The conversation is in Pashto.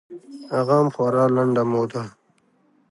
هغه هم خورا لنډه موده.